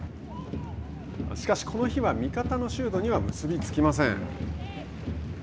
しかし、この日は味方のシュートには結び付きません。